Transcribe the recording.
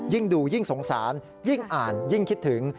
ยิ่งดูยิ่งสงสารยิ่งอ่านยิ่งคิดถึง